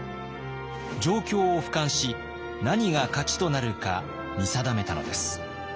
状況を俯瞰し何が勝ちとなるか見定めたのです。